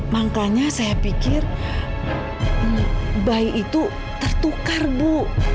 makanya saya pikir bayi itu tertukar bu